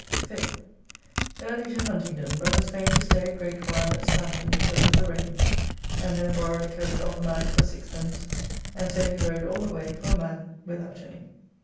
5th. Early to Huntingdon, but was fain to stay a great while at Stanton because of the rain, and there borrowed a coat of a man for 6d., and so he rode all the way, poor man, without any.